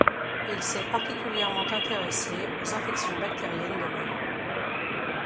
Il s'est particulièrement intéressé aux infections bactériennes de l'œil.